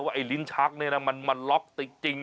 ว่าไอ้ลิ้นชักเนี้ยนะมันมันล็อกจริงจริง